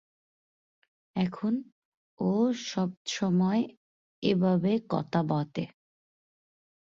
এখন, ও সবতময় এবাবে কতা বতে।